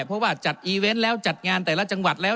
เพราะว่าจัดอีเวนต์แล้วจัดงานแต่ละจังหวัดแล้ว